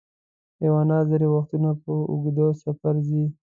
حیوانات ځینې وختونه په اوږده سفر ځي.